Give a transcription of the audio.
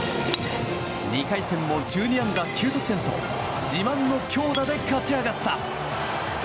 ２回戦も１２安打９得点と自慢の強打で勝ち上がった。